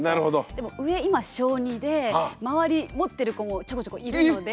でも上今小２で周り持ってる子もちょこちょこいるので。